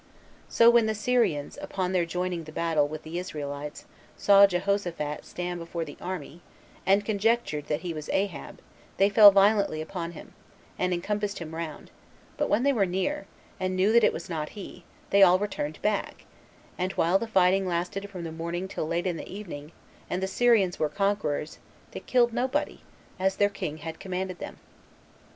So when the Syrians, upon their joining battle with the Israelites, saw Jehoshaphat stand before the army, and conjectured that he was Ahab, they fell violently upon him, and encompassed him round; but when they were near, and knew that it was not he, they all returned back; and while the fight lasted from the morning till late in the evening, and the Syrians were conquerors, they killed nobody, as their king had commanded them.